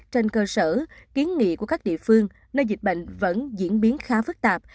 trong bối cảnh tình hình cơ sở kiến nghị của các địa phương nơi dịch bệnh vẫn diễn biến khá phức tạp